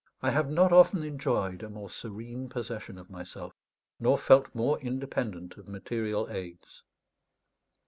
I have not often enjoyed a more serene possession of myself, nor felt more independent of material aids.